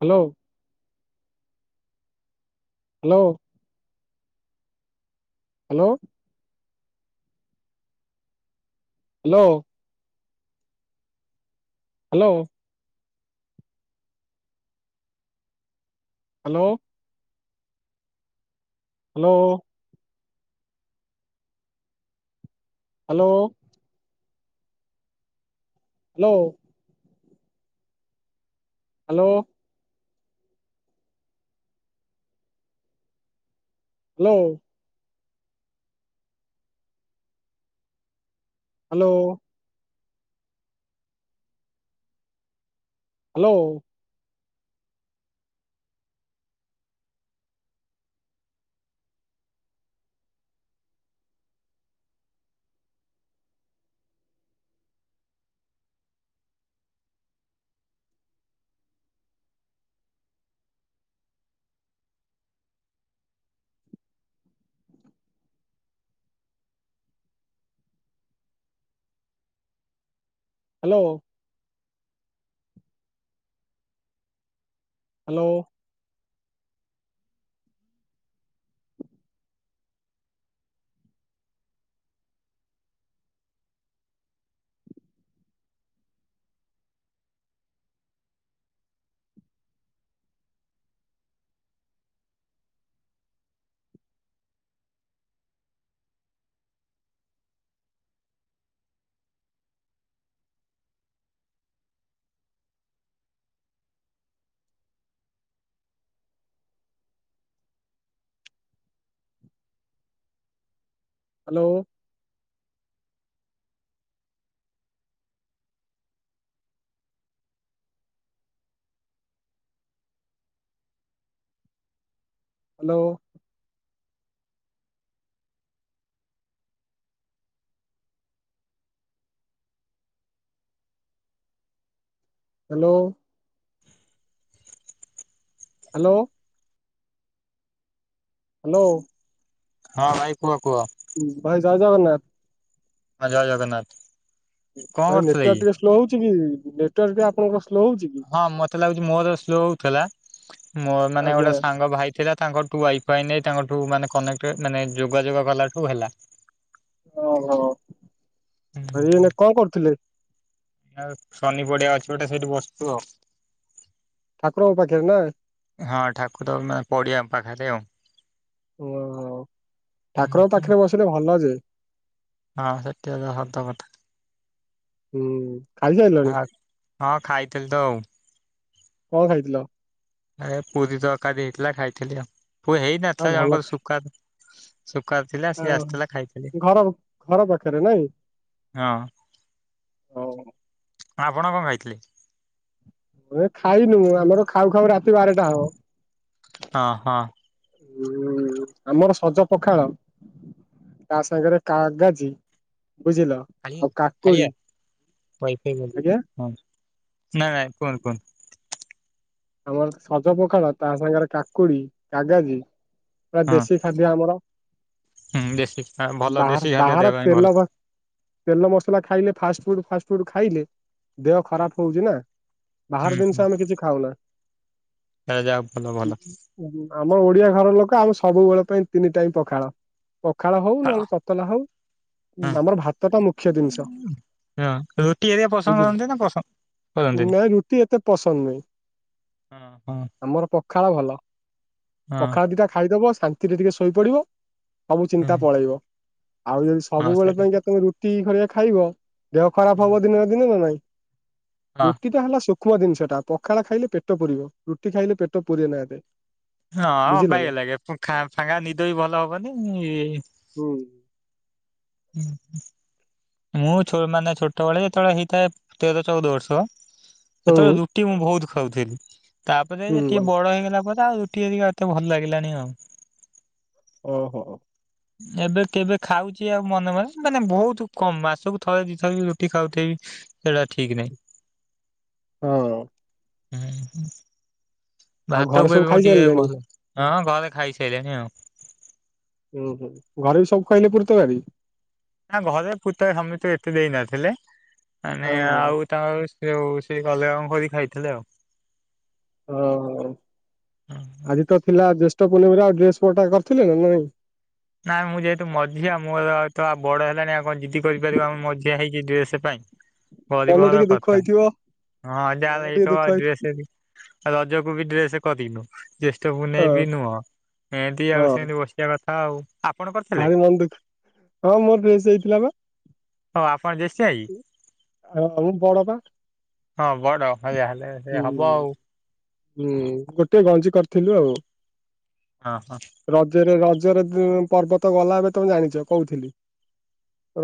Hello hello hello hello hello hello hello hello hello hello hello hello hello hello hello hello hello hello hello hello ହଁ ଭାଇ କୁହ କୁହ ଭାଇ ଜୟ ଜଗନ୍ନାଥ ଜୟ ଜଗନ୍ନାଥ କଣ ଭାଇ କରୁଥିଲେ କି? ନେଟୱାର୍କ ଟିକେ ସ୍ଲୋ ହଉଛି କି ନେଟୱାର୍ ଟିକେ ଆପଣଙ୍କର ସ୍ଲୋ ହଉଛି କି ହଁ ମତେ ଲାଗୁଛି ମୋର ସ୍ଲ ଥିଲା ମୋ ମାନେ ଆଜ୍ଞା ଗୋଟେ ସାଙ୍ଗ ଭାଇ ଥିଲା ତାଙ୍କଠୁ ୱାଇଫାଇ ନେଇ ତାଙ୍କଠୁ ମାନେ କନେକ୍ଟ ମାନେ ଯୋଗାଯୋଗ କଲାଠୁ ହେଲା। ଓହୋ ଏଇନା କଣ କରୁଥିଲେ? ନା ଶନି ପଡିଆ ଅଛି ଗୋଟେ ସେଇଠି ବସୁଚୁ ଆଉ। ଠାକୁରଙ୍କ ପାଖରେ ନା। ହଁ ଠାକୁର ମା ମାନେ ପଡିଆ ପାଖରେ ଆଉ। ଓହୋ ଠାକୁରଙ୍କ ପାଖରେ ବସିଲେ ଭଲ ଯେ। ହଁ ସେତିକ ତ ସତ କଥା। ହୁଁ ଖାଇ ସାଇଲଣି। ହଁ ଖାଇଥିଲି ତ ଆଉ। କଣ ଖାଇଥିଲ? ଆଜ୍ଞା ପୁରୀ ତରକାରୀ ହେଇଥିଲା ଖାଇଥିଲି ଆଉ ପୁରୀ ଆଉ ହେଇନଥିଲା ଭଲ ଜଣଙ୍କର ସୁୁଖା ଶୁକାର୍ ଥିଲା ଆ, ସିଏ ଆସିଥିଲା ଖାଇଥିଲି। ଘର ଘର ପାଖରେ ହଁ ହଉ ହଉ। ଆପଣ କଣ ଖାଇଥିଲେ? ଏ ଖାଇନୁ ଆମର ଖାଉ ଖାଉ ରାତି ବାରଟା ହବ। ହଁ ହଁ। ହୁଁ ଆମର ସଜ ପଖାଳ। ତା ସାଙ୍ଗରେ କାଗଜି। କାଳି କାଳିଆ। ୱାଇଫାଇ ବୋଲି ଆଜ୍ଞା ହଁ ନା ନାଇଁ କୁହନ୍ତୁ କୁହନ୍ତୁ। ଆମର ତ ସଜ ପଖାଳ ତା ସାଙ୍ଗରେ କାକୁଡି କାଗାଜି। ପୁରା ହଁ ଦେଶୀ ଖାଦ୍ୟ ଆମର। ହୁଁ ଦେଶୀ ଭଲ ଦେଶୀ ବାହାର ଖାଦ୍ୟ ଦେହ ବାହାର ପାଇଁ ଭଲ। ତେଲ ତେଲ ମସଲା ଖାଇଲେ ଫାଷ୍ଟ ଫୁଡ ଫାଷ୍ଟ ଫୁଡ ଖାଇଲେ ଦେହ ଖରାପ ହଉଛି ନା। ହୁଁ ବାହାର ହୁଁ ଦିନିଷ ଆମେ କିଛି ଖାଉନା। ଯାହା ଭଲ ଭଲ ଆମ ଓଡିଆ ଭାଇ ଘର ଲୋକ ଆମ ସବୁବେଳେ ପାଇଁ ତିନି ଟାଇମ୍ ପଖାଳ। ପଖାଳ ହଉ ପାଳ ନହେଲେ ତତଲା ହଉ ହଁ ଆମର ଭାତ ଟା ମୁଖ୍ୟ ଦିନିଷ। ହଁ ରୁଟି ଏରିଆ ପସନ୍ଦ କରନ୍ତି ନା ପସନ୍ଦ ବୁଝିଲୁ କରନ୍ତିନି? ନାଇଁ ରୁଟି ଏତେ ପସନ୍ଦ ନାହିଁ। ହଁ ହଁ ଆମର ପଖାଳ ଭଲ ହଁ ପଖାଳ ଦିଟା ଖାଇ ଦବ ଶାନ୍ତିରେ ଟିକେ ଶୋଇପଡିବ ସବୁ ହୁଁ ଚିନ୍ତା ପଳେଇବ। ଆଉ ଯଦି ହଁ ସବୁବେଳେ ସେଇଟା ପାଇଁକା ତମେ ରୁଟି ଖ ଖାଇବ ଦେହ ଖରାପ ହବ ଦିନେ ଦିନ ନା ନାଇଁ। ହଁ ରୁଟି ତ ହେଲା ସୁଷ୍ମ ଜିନିଷଟା ପଖାଳ ଖାଇଲେ ପେଟ ପୁରିବ ରୁଟି ଖାଇଲେ ପେଟ ପୁୁରେନା ଏବେ। ହଁ ଅବାଗିଆ ଲାଗେ ଫାଙ୍କା ନିଦ ବି ଭଲ ହବନି। ହୁଁ ମୁଁ ଛ ମାନେ ଛୋଟବେଳେ ଯେତେବେଳେ ହେଇଥାଏ ତେର ଚଉଦ ବର୍ଷ ସେତେବେଳେ ହୁଁ ରୁଟି ମୁଁ ବହୁତ ଖାଉଥିଲି ତାପରେ ଟିକେ ହୁଁ ବଡ ହେଇଗଲା ପରେ ଆଉ ରୁଟିି ଏରିକା ଏତେ ଭଲ ଲାଗିଲାଣିି ଆଉ। ଓ ହୋ। ଏବେ କେବେ ଖାଉଛି ଆଉ ମନେ ମନେ ମାନେ ବହୁତୁ କମ୍ ମାସକୁ ଥରେ ଦିଥର କି ରୁଟି ଖାଉଥିବେବି ସେଇଟା ଠିକ୍ ନାହିଁ। ହଁ ହୁଁ ହୁଁ ଆଉ ଘରେ ଭାତକୁ ସବୁ ଏବେ ମୁ ଟିକେ ଖାଇସାରିଲେଣି ଭଲ। ହଁ ଘରେ ଖାଇସାଇଲେଣି ଆଉ। ହୁଁ ହୁଁ ଘରେ ସବୁ ଖାଇଲେ ପୁୁରୀ ତରକାରୀ। ନା ଘରେ ପୁରୀଟା ସମେତେ ଏତେ ଦେଇ ନଥିଲେ ମାନେ ଓହୋ ଆଉ ତାଙ୍କ ଯୋଉ ସିଏ ଗଲେ କଣ କରି ଖାଇଥିଲେ ଆଉ? ଓ ଆଜି ତ ଥିଲା ଜେଷ୍ ଷ୍ଟ ପୂର୍ଣମିରେ ଆଉ ଡ୍ରେସ୍ କୋଟା କରିଥିଲେ ନା ନାଇଁ? ନା ମୁ ଯେହେତୁ ମଝିଆ ମୁ ଏବେ ତ ଆଉ ବଡ ହେଲାଣି ଆଉ କଣ ଜିଦି କରିପାରିବି ମୁ ମଝିଆ ହେଇଛି ଡ୍ରେସ ପାଇଁ। ମନ ପରିବହର ଟିକେ ଦୁଃଖ କଥା। ହେଇଥିବ ହଁ ଯାହା ମନ ଟିକେ ହେଇଥାଉ ଦୁଃଖ ଆଉ ହେଇଛି ଡ୍ରେସ ରଜକୁ ବି ଡ୍ରେସ କରିନୁ। ଜ୍ୟେଷ୍ଠ ପୁନେଇ ହଁ ବିି ନୁହଁ ଏମତି ଆଉ ହଁ ସେମିତି ବସିବା କଥା ଆଉ। ଆପଣ କରିଥିଲେ ଭାରି ମନ ଦୁଃଖ ହଁ ମୋର ଡ୍ରେଶ ହେଇଥିଲା ବା। ହଉ ଆପଣ ଜେଷ୍ଠ ଭାଇକି ହଁ ମୁଁ ବଡ ବା ହଁ ବଡ ହ ଯାହା ହେଲେ ହୁଁ ସେ ହବ ଆଉ। ହୁଁ ଗୋଟେ ଗଞ୍ଜି କରିଥିଲୁ ଆଉ। ହଁ ହଁ ରଜରେ ରଜ ରଜରେ ତ ପର୍ବତ ଗଲା ଏବେ ତମେ ଜାଣିଛ। କହୁଥିଲି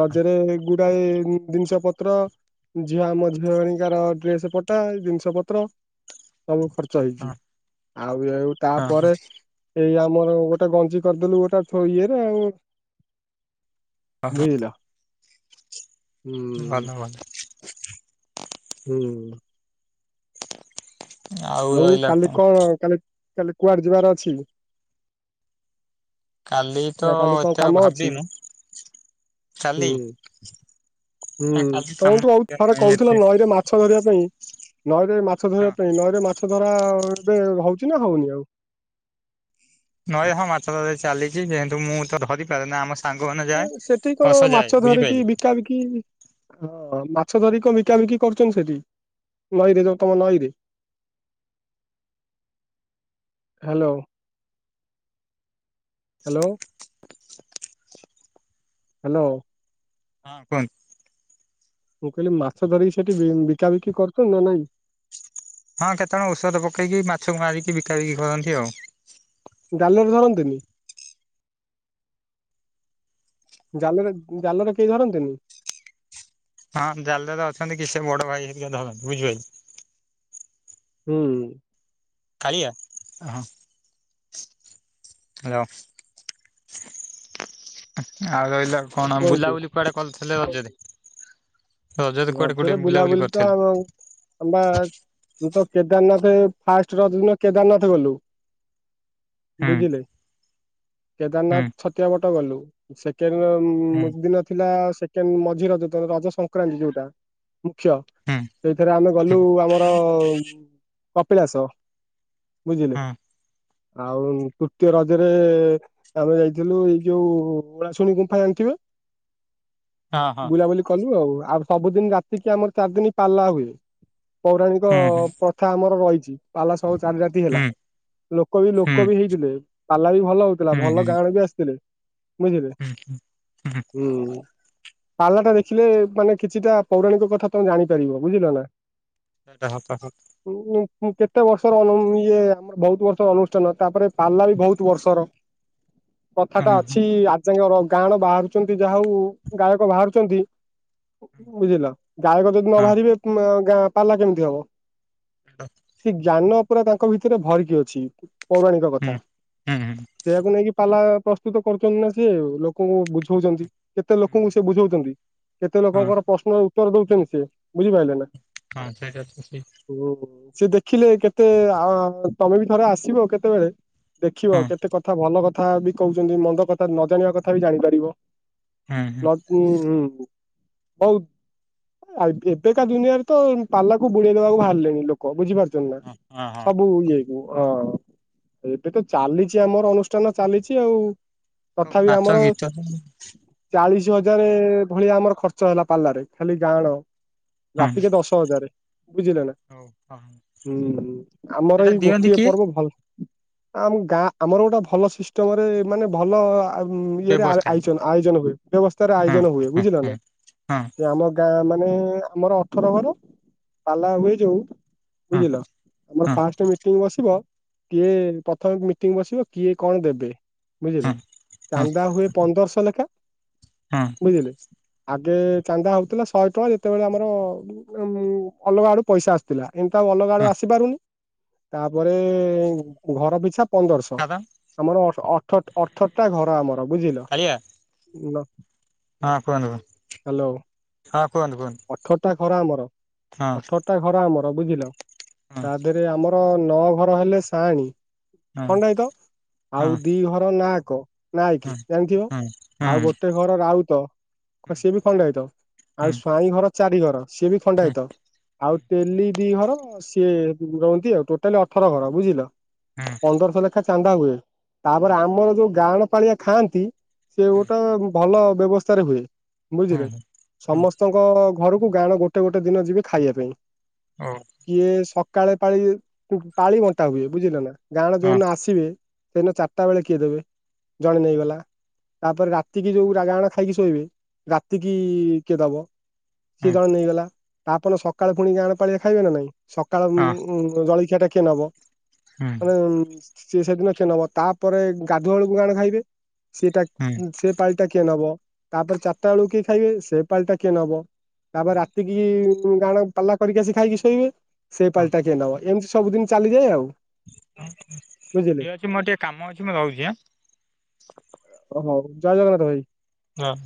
ରଜରେ ଗୁଡାଏ ଜିନିଷ ପତ୍ର ଝିଅ ଆମ ଝିଅ ହେନିକାର ଡ୍ରେସ ପଟା ଜିନିଷ ପତ୍ର ସବୁ ଖର୍ଚ୍ଚ ହେଇଛି। ହଁ ଆଉ ଆଉ ହଁ ହଁ ତାପରେ ଏଇ ଆମର ଗୋଟେ ଗଞ୍ଜି କରିଦେଲୁ ଗୋଟା ଫୁ ଇଏରେ ଆଉ। ବୁଝିଲ? ହୁଁ। ଭଲ ଭଲ ହୁଁ। ଆଉ କାଲି କଣ କାଲି କାଲି କୁଆଡେ ଯିବାର ଅଛି? କାଲି ତ ନା କାଲି କଣ ଏତେ ଆଉ କାମ ଅଛି? ଭାବିନୁ କାଲି ହୁଁ। ହୁଁ ନା କାଲି କାମ ତମେ ଯୋଉ ଆଉ ଥରେ ନାହିଁ କହୁଥିଲ ଏତେ ନଈରେ ମାଛ ଧରିବା ପାଇଁ ନଈରେ ମାଛ ହଁ ଧରିବା ପାଇଁ ନଈ ଧରା ଏବେ ହଉଛି ନା ହଉନି ଆଉ? ନଈ ହଁ ମାଛ ଧରାଧରି ଚାଲିଛି। ଯେହେତୁ ମୁଁ ତ ଧରି ପାରୁନି ଆମ ସାଙ୍ଗମାନେ ଯାଏ ଇଁ ସେଠି କଣ କଷ ଯାଏ ମାଛ ଧରିକି ବୁଝିପାରିଲେ ବିକା ବିକି ହଁ ମାଛ ଧରିକି ବିକାବିକି କରୁଛନ୍ତି ସେଠି ନଈରେ ଯ ତମ ନଈରେ? Hello hello hello. ହଁ କୁହନ୍ତୁ। ମୁଁ କହିଲି ମାଛ ଧରିକି ସେଠି ବି ବିକାବିକି କରୁଛନ୍ତି ନା ନାଇଁ? ହଁ କେତେଜଣ ଔଷଧ ପକେଇକି ମାଛକୁ ମାରିକି ବିକା ବିକି କରନ୍ତି ଆଉ। ଜାଲରେ ଧରନ୍ତିନି? ଜାଲରେ ଜାଲରେ କେହି ଧରନ୍ତିନି? ହଁ ଜାଲରେ ଅଛନ୍ତି କି ସେ ବଡ ଭାଇ ହେରିକା ଧରନ୍ତି ବୁଝିଲ କି? ହୁଁ। କାଳିଆ ହ ହ୍ୟାଲୋ ଆଉ ରହିଲ କଣ କୁହନ୍ତୁ। ବୁଲାବୁଲି କୁଆଡେ କରିଥିଲେ ରଜରେ? କୁଆଡେ କୁଆଡେ ରଜରେ ବୁଲାବୁଲି ତ କରିଥିଲେ? ଆଉ ଆଉ ବା ମୁଁ ତ କେଦାରନାଥ ଫାଷ୍ଟ ଏ ଫାଷ୍ଟ ରଜ ଦିନ କେଦାରନାଥ ଗଲୁ। ହୁଁ ବୁଝିଲେ? ହୁଁ କେଦାରନାଥ ଛତିଆ ବଟ ଗଲୁ ସେକେଣ୍ଡ ହୁଁ ଦିନ ଥିଲା ସେକେଣ୍ଡ ମଝି ରଜ ରଜ ସଂକ୍ରାନ୍ତି ଯୋଉ ଟା ମୁଖ୍ୟ ହୁଁ ସେଇଥିରେ ଆମେ ହୁଁ ଗଲୁ ଆମର କପିଳାସ ବୁଝିଲେ? ଆଉ ତୃତୀୟ ରଜରେ ଆମେ ଯାଇଥିଲୁ ଏଇ ଯୋଉ ଉଳାଶୁଣି ଗୁମ୍ଫା ଯାଣିଥିବେ? ହଁ ହଁ ବୁଲାବୁଲି କଲୁ ଆଉ ଆଉ ସବୁଦିନ ରାତିକି ଆମର ଚାରି ଦିନ ପାଲା ହୁଏ। ପୌରାଣିକ ହଁ ହୁଁ ପ୍ରଥା ଆମର ରହିଛି। ପାଲା ସହ ଚାରି ରାତି ହେଲା। ହୁଁ ଲୋକ ବି ହୁଁ ଲୋକ ବି ହେଇଥିଲେ ପାଲା ବି ଭଲ ହଉଥିଲା ହୁଁ ହୁଁ ଭଲ ହୁଁ ଗାଁଣ ବି ଆସିଥିଲେ। ବୁଝିଲେ ହୁଁ ହୁଁ ପାଲା ଟା ଦେଖିଲେ ମାନେ କିଛିଟା ପୌରାଣିକ କଥା ତମେ ଜାଣିପାରିବ ବୁଝିଲ ନା? ସେଟା ହ ପା ହ ଁ କେତେ ବର୍ଷର ଇଏ ଆମର ବହୁତ ବର୍ଷର ଅନୁଷ୍ଠାନ ତାପରେ ପାଲା ବି ବହୁତ ବର୍ଷର କଥାଟା ହୁଁ ହୁଁ ଅଛି ଆଜାଙ୍ଗ ଗାଁଣ ବାହାରୁଛନ୍ତି ଯାହା ହଉ ଗାୟକ ବାହାରୁଛନ୍ତି ବୁଝିଲ ଗାୟକ ଯଦି ନ ହଁ ବାହାରିବେ ଗା ପାଲା କେମିତି ହବ ସେ ଜ୍ଞାନ ପୁରା ତାଙ୍କ ଭିତରେ ଭରିକି ଅଛି ପୌରାଣିକ ହୁଁ କଥା ହୁଁ ହୁଁ ସେଇଆକୁ ନେଇକି ପାଲା ପ୍ରସ୍ତୁତ କରୁଛନ୍ତି ନା ସେି ଲୋକଙ୍କୁ ବୁଝଉଛନ୍ତି କେତେ ଲୋକଙ୍କୁ ସେ ବୁଝଉଛନ୍ତି ହଁ ଲୋକଙ୍କର ପ୍ରଶ୍ନର ଉତ୍ତର ଦଉଛନ୍ତି ସି ବୁଝିପାରିଲେ ନା ହଁ ସେଇଟଛି ସେ ହୁଁ ସେ ଦେଖିଲେ କେତେ ତମେ ବି ଥରେ ଆସିବ କେତେବେଳେ ଦେଖିବ ହଁ କେତେ କଥା ଭଲ କଥା ବି କହୁଛନ୍ତି ମନ୍ଦ କଥା ନ ଜାଣିବା କଥା ବି ଜାଣିପାରିବ ହୁଁ ହୁଁ ହ ବହୁତ ଆଉ ଏବେକାା ଦୁନିଆରେ ତ ପାଲାକୁ ବୁଡେଇଦବାକୁ ବାହାରିଲେଣି ଲୋକ ବୁଝିପାରୁଛେ ହଁ ହଁ ହଁ ସବୁ ଇଏ କ ହଁ ଏବେ ତ ଚାଲିଛି ଆମର ଅନୁଷ୍ଠାନ ଚାଲିଛି ଆଉ ସବୁ ତଥାପି ନାଚ ଆମର ଗୀତ ହଁ ଚାଳିଶ ପା ହଜାର ଭଳିଆ ଆମର ଖର୍ଚ୍ଚ ହେଲା ପାଲାରେ ଖାଲି ଗାଁଣ ରାତିକ ଦଶ ହଜାର ବୁଝିଲେ ନା ହଉ ହଁ ହୁଁ ଆମର ସେଇଟା ଏଇ ଦିଅନ୍ତି ଗୋଟିଏ କିଏ ପର୍ବ ଭଲ ଆମ ଗାଁ ଆମର ଗୋଟେ ଭଲ ସିଷ୍ଟମ ରେ ମାନେ ଭଲ ଇଏରେ ବ୍ୟବସ୍ଥା ଆୟୋଜନ ହୁଏ ବ୍ୟବସ୍ଥାରେ ହଁ ଆୟୋଜନ ହୁଏ ହଁ ବୁଝିଲ ହଁ ନା ହଁ ଆମ ଗାଁ ମାନେ ଆମର ଅଠର ଘର ପାଲା ହୁଏ ଯୋଉ ହଁ ବୁଝିଲ ଆମର ହଁ ଫାଷ୍ଟ ମିଟିଂ ବସିବ କିଏ ପ୍ରଥମେ ମିଟିଂ ବସିବ କିଏ କଣ ଦେବେ ବୁଝିଲେ ହଁ ହଁ ଚାନ୍ଦା ହୁଏ ପନ୍ଦରଶହ ଲେଖା ହଁ ବୁଝିଲେ ଆଗେ ଚାନ୍ଦା ହଉଥିଲା ଶହେ ଟଙ୍କା ଯେତେବେଳେ ଆମର ଉ ଅଲଗା ଆଡୁ ପଇସା ଆସୁଥିଲା ଏମିତି ଆଉ ଅଲଗାଡୁ ହଁ ଆସିପାରୁନି ତାପରେ ଘର ପିଛା ପନ୍ଦରଶହ ଦାଦା ଆମର ଅଠରଟା ଘର ଆମର ବୁଝିଲ କାଳିଆ ହଁ କୁହନ୍ତୁ କୁହ ହ୍ୟାଲୋ ହଁ କୁହନ୍ତୁ କୁହନ୍ତୁ ଅଠରଟା ଘର ଆମର ହଁ ଅଠରଟା ଘର ଆମର ବୁଝିଲ ହଁ ତା ଦେହରେ ଆମର ନଅ ଘର ହେଲେ ସାଣୀ ହଁ ଖଣ୍ଡ ଏ ତ ଆଉ ହଁ ଦି ଘର ନାକ ନାଇଁ କି ହଁ ଜାଣିଥିବ ହୁଁ ଆଉ ହୁଁ ଗୋଟେ ଘର ରାହୁ ତ ହୁଁ ସିଏ ବି ଖଣ୍ଡ ହେଇଥ ହୁଁ ଆଉ ପା ଘର ଚାରି ଘର ସିଏ ବି ଖଣ୍ଡା ହେଇତ ଆଉ ତେଲି ଦି ଘର ସିଏ ରହନ୍ତି ଆଉ ଟୋଟାଲି ଅଠର ଘର ବୁଝିଲ ହୁଁ ପନ୍ଦରଶହ ଲେଖାଏ ଚାନ୍ଦା ହୁଏ ତାପରେ ଆମର ଯୋଉ ଗାହାଁଣ ପାଳିଆ ଖାଆନ୍ତି ସେ ଗୋଟେ ଭଲ ବ୍ୟବସ୍ଥାରେ ହୁଏ ବୁଝିଲେ ହୁଁ ହୁଁ ସମସ୍ତ ଘରକୁ ଗାଣ ଗୋଟେ ଗୋଟେ ଦିନ ଯିବେ ଖାଇବା ପାଇଁ ଓ କିଏ ସକାାଳେ ପାଳି ପାଳି ବଣ୍ଟା ହୁଏ ବୁଝିଲ ନା ଗାଁଣ ହଁ ଯୋଉନ ଆସିବେ ସେଦିନ ଚାରିଟା ବେଳେ କିଏ ଦେବେ ଜଣେ ନେଇଗଲା ତାପରେ ରାତି କିି ଯୋଉ ରାାଗା ଆଣ ଖାଇକି ଶୋଇବେ ରାତିକି କିଏ ଦବ ସିଏ ହଁ ଜଣ ନେଇଗଲା ତାପଣ ସକାଳେ ପୁଣିିକି ଆଣପ ପାଳିଆ ଖାଇବେ ନା ନାଇଁ ସକାଳ ଉ ଜଳଖିଆ ଟା କିଏ ନବ ହଁ ମାନେ ସେି ସେଦିନ କଷ ନବ ତାପରେ ଗାଧୁଆଳୁକୁ କାଣ ଖାଇବେ ସେଟା ହୁଁ ହୁଁ ସେ ପାଲଟା କିଏ ନବ ତାପରେ ଚାରିଟା ବେଳୁ କିଏ ଖାଇବେ ସେ ପାଳିଟା କିଏ ନବ ତାପରେ ରାତି କିି ଗାଣ ପାଲା କରିକି ଆସି ଖାଇକି ଶୋଇବେ ସେଇ ପାଲିଟା କିଏ ନବ ଏମିତି ସବୁଦିନ ଚାଲିଯାଏ ଆଉ ହଁ ଉଁ ବୁଝିଲେ ଇଏ ଅଛି ମୋର ଟିକେ କାମ ଅଛି ମୁଁ ରହୁଚି ଆଁ। ଓ ହୋଉ ଜୟ ଜାଗନ୍ନାଥ ଭାଇ। ନାଁ।